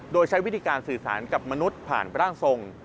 โดยใช้วิธีการสื่อสารกับมนุษย์ผ่านร่างทรง